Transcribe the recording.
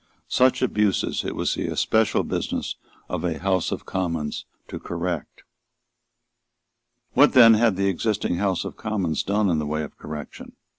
Such abuses it was the especial business of a House of Commons to correct. What then had the existing House of Commons done in the way of correction?